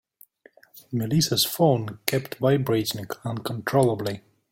Melissa's phone kept vibrating uncontrollably.